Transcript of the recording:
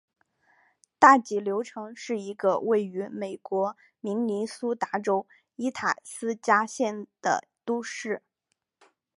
大急流城是一个位于美国明尼苏达州伊塔斯加县的都市。